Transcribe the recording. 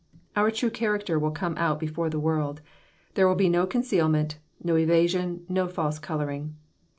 Our true character will come oat before the world. There will be no concealment, no eva sion, no false colouring.